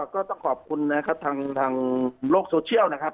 ก็ต้องขอบคุณนะครับทางโลกโซเชียลนะครับ